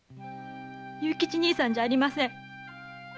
勇吉兄さんじゃありません！